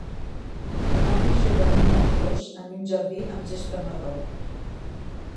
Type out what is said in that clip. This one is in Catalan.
Un home juga amb un nen ros en un jardí amb gespa marró.